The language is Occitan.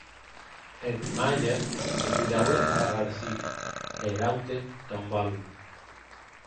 Eth màger se cridaue Algarsif, e er aute, Cambalo.